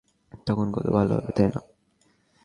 তখন কত ভালো হবে, তাই না?